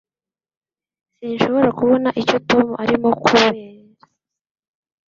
Sinshobora kubona icyo Tom arimo kureba